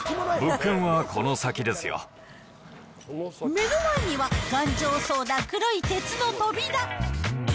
目の前には、頑丈そうな黒い鉄の扉。